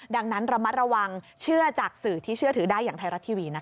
ดังนั้นระมัดระวังเชื่อจากสื่อที่เชื่อถือได้อย่างไทยรัฐทีวีนะคะ